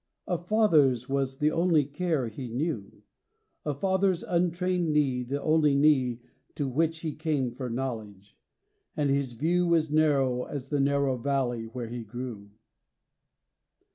A father's was the only care he knew; A father's untrained knee the only knee To which he came for knowledge. And his view Was narrow as the narrow valley where he grew.